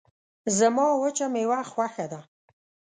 زما وچه میوه خوشه ده